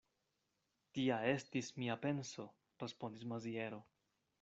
Tia estis mia penso, respondis Maziero.